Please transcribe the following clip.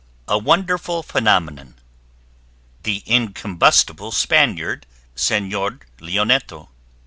A "WONDERFUL PHENOMENON." "THE INCOMBUSTIBLE SPANIARD, SENOR LIONETTO," 1803.